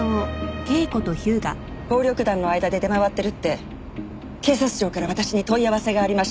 暴力団の間で出回ってるって警察庁から私に問い合わせがありました。